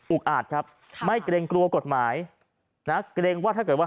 อาจครับไม่เกรงกลัวกฎหมายนะเกรงว่าถ้าเกิดว่า